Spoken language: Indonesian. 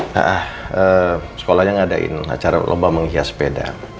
nah sekolahnya ngadain acara lomba menghias sepeda